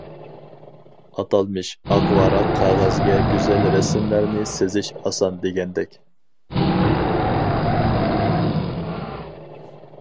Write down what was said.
ئاتالمىش «ئاق ۋاراق قەغەزگە گۈزەل رەسىملەرنى سىزىش ئاسان» دېگەندەك.